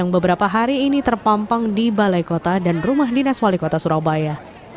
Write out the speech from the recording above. beberapa hari ini terpampang di balai kota dan rumah dinas wali kota surabaya